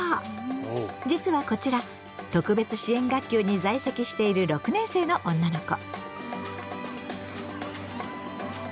実はこちら特別支援学級に在籍している６年生の女の子。